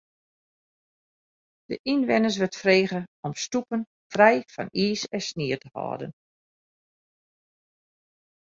De ynwenners wurdt frege om stoepen frij fan iis en snie te hâlden.